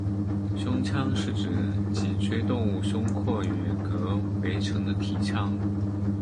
胸腔是指脊椎动物胸廓与膈围成的体腔。